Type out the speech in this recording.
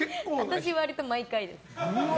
私は割と毎回です。